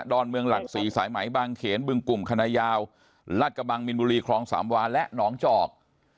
อนเมืองหลัก๔สายไหมบางเขนบึงกลุ่มคณะยาวลัดกระบังมินบุรีคลองสามวาและหนองจอก